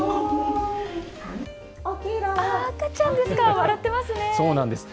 赤ちゃんですか、笑ってますね。